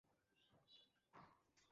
কিছুই করবে না মির্জা।